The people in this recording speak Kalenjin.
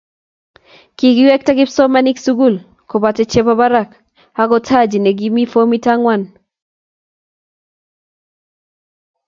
kikweektai kipsomaninik sukul kobote che bo barak okot Haji ne kimii fomit angwan